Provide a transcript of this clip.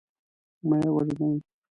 مه یې وژنی.